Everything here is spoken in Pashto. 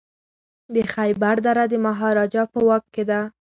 د خیبر دره د مهاراجا په واک کي ده.